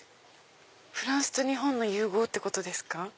フランスと日本の融合ってことですか？